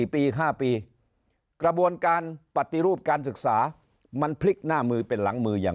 ปี๕ปีกระบวนการปฏิรูปการศึกษามันพลิกหน้ามือเป็นหลังมืออย่าง